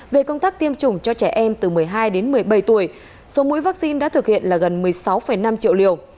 về công tác tiêm chủng cho trẻ em từ một mươi hai đến một mươi bảy tuổi số mũi vaccine đã thực hiện là gần một mươi sáu năm triệu liều